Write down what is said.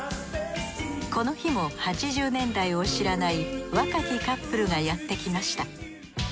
この日も８０年代を知らない若きカップルがやってきました。